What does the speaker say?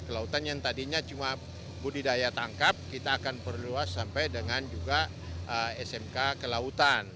kelautan yang tadinya cuma budidaya tangkap kita akan perluas sampai dengan juga smk kelautan